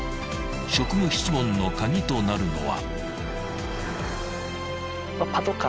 職務質問の鍵となるのは］